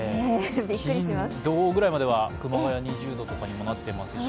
金、土ぐらいまでは熊谷、２０度とかになっていますし。